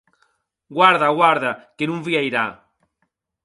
Guarda, guarda, que non vierà.